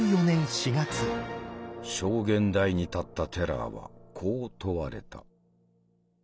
証言台に立ったテラーはこう問われた。